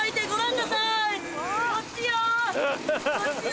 こっちよ！